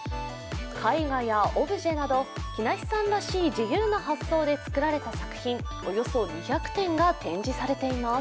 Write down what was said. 絵画やオブジェなど木梨さんらしい自由な発想で作られた作品、およそ２００点が展示されています。